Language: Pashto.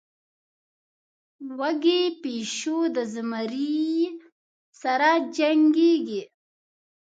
وږى پيشو د زمري سره جنکېږي.